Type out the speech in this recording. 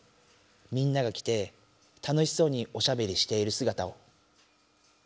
みんなが来て楽しそうにおしゃべりしているすがたを。